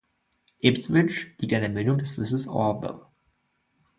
Ipswich liegt an der Mündung des Flusses Orwell.